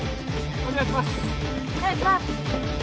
お願いします